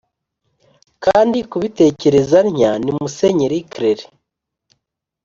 kandi kubitekereza ntya ni musenyeri cleire,